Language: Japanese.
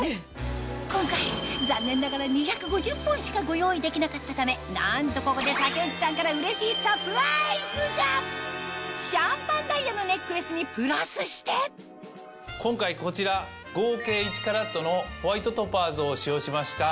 今回残念ながら２５０本しかご用意できなかったためなんとここでシャンパンダイヤのネックレスにプラスして今回こちら合計１ｃｔのホワイトトパーズを使用しました